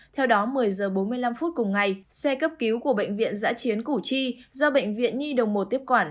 theo đó một mươi h bốn mươi năm phút cùng ngày xe cấp cứu của bệnh viện giã chiến củ chi do bệnh viện nhi đồng một tiếp quản